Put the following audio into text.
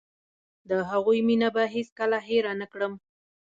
د هغوی مينه به هېڅ کله هېره نکړم.